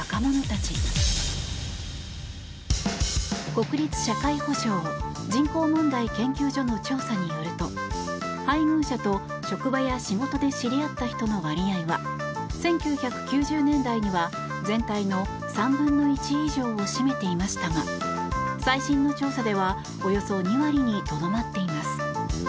国立社会保障・人口問題研究所の調査によると配偶者と職場や仕事で知り合った人の割合は１９９０年代には、全体の３分の１以上を占めていましたが最新の調査ではおよそ２割にとどまっています。